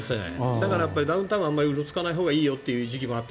だから、ダウンタウンはあまりうろつかないほうがいいよという時期もあって。